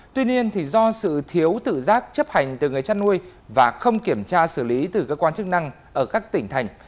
tuy nhiên do sự thiếu tự giác chấp hành từ người chăn nuôi và không kiểm tra xử lý từ cơ quan chức năng ở các tỉnh thành